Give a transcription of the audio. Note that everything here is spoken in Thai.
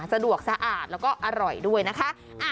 สะดวกสะอาดแล้วก็อร่อยด้วยนะคะ